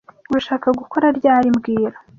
Urashaka gukora ryari mbwira